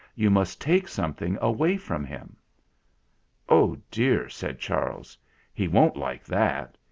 You must take something away from him." "Oh, dear!" said Charles. "He won't like that.